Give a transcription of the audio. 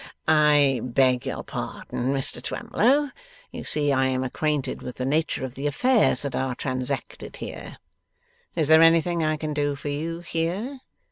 'I beg your pardon, Mr Twemlow; you see I am acquainted with the nature of the affairs that are transacted here. Is there anything I can do for you here?